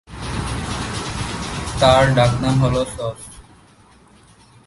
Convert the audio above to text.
তার ডাকনাম হল সস।